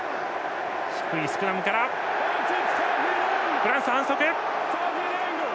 フランス、反則。